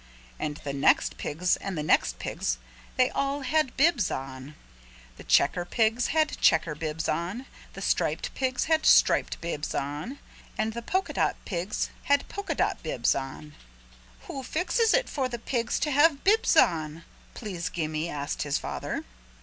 And the next pigs and the next pigs they saw all had bibs on. The checker pigs had checker bibs on, the striped pigs had striped bibs on. And the polka dot pigs had polka dot bibs on. "Who fixes it for the pigs to have bibs on?" Please Gimme asked his father.